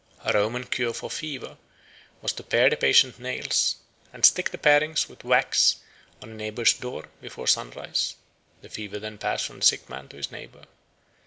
A Roman cure for fever was to pare the patient's nails, and stick the parings with wax on a neighbour's door before sunrise; the fever then passed from the sick man to his neighbour.